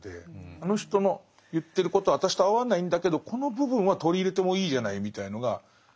あの人の言ってること私と合わないんだけどこの部分は取り入れてもいいじゃないみたいのがないと。